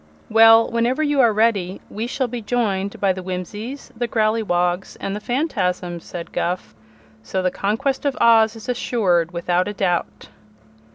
"Well, whenever you are ready, we shall be joined by the Whimsies, the Growleywogs and the Phanfasms," said Guph; "so the conquest of Oz is assured without a doubt."